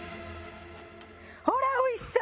ほら美味しそう！